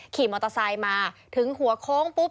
ขี่มอเตอร์ไซค์มาถึงหัวโค้งปุ๊บ